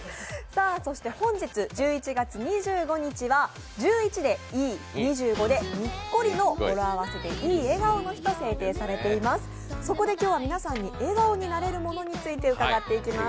本日１１月２５日は「１１」で「いい」「２５」で「にっこり」の語呂合わせで「いい笑顔の日」と制定されています。